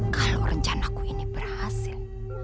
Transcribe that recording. kalau rencanaku ini berhasil